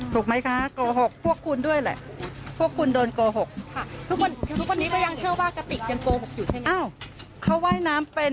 ทวีความโกหกขึ้นไหมแม่